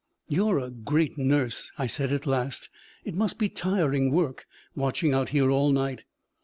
'You're a great nurse!' I said at last. 'It must be tiring work, watching out here all night.'